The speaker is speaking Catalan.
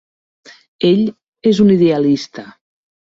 Ell és un idealista.